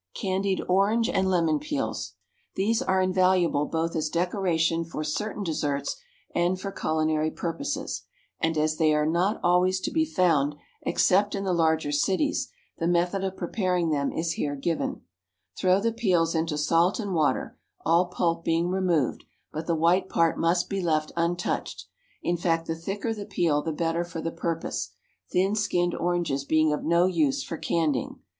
Candied Orange and Lemon Peels. These are invaluable both as decoration for certain desserts and for culinary purposes, and as they are not always to be found except in the larger cities, the method of preparing them is here given: Throw the peels into salt and water, all pulp being removed, but the white part must be left untouched; in fact, the thicker the peel the better for the purpose, thin skinned oranges being of no use for candying.